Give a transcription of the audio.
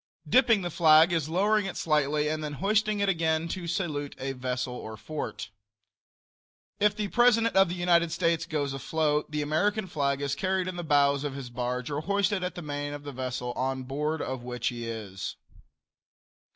Dipping the flag is lowering it slightly and then hoisting it again to salute a vessel or fort. If the President of the United States goes afloat the American flag is carried in the bows of his barge or hoisted at the main of the vessel on board of which he is.